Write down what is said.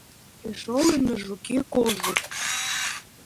Тяжелый на жуке кожух.